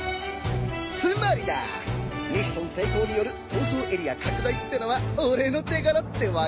つまりだミッション成功による逃走エリア拡大ってのは俺の手柄ってわけだ。